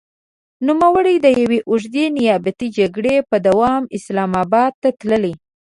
نوموړی د يوې اوږدې نيابتي جګړې په دوام اسلام اباد ته تللی.